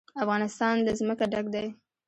افغانستان له ځمکه ډک دی.